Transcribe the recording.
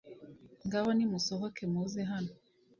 Ngaho nimusohoke muze hano